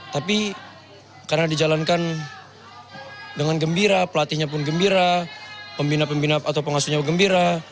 tapi karena dijalankan dengan gembira pelatihnya pun gembira pembina pembina atau pengasuhnya gembira